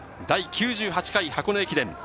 第９８回箱根駅伝。